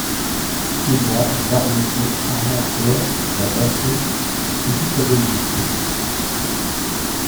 Quesnoy, Warneton, Armentières, La Bassée et toute la Belgique.